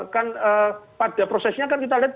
kan pada prosesnya kan kita lihat